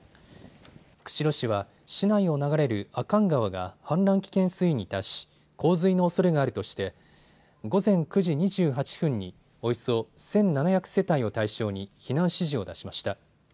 釧路市は市内を流れる阿寒川が氾濫危険水位に達し洪水のおそれがあるとして午前９時２８分におよそ１７００世帯を対象に避難指示を出しました。